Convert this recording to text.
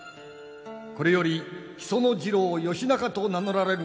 これより木曽次郎義仲と名乗られるがよい。